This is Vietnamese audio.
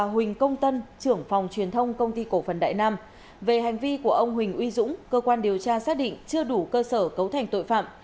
trước đó nguyễn văn quang chú tại huyện bình tân trưởng phòng truyền thông công ty cộng phần đại nam về hành vi của ông huỳnh uy dũng cơ quan điều tra xác định chưa đủ cơ sở cấu thành tội phạm